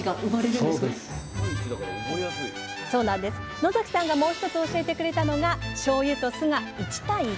野さんがもう一つ教えてくれたのがしょうゆと酢が「１：１」！